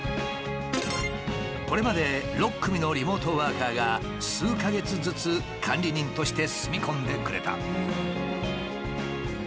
これまで６組のリモートワーカーが数か月ずつ管理人として住み込んでくれた。